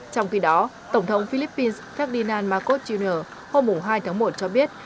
trong khi đó tổng thống philippines ferdinand marcos jr hôm hai tháng một cho biết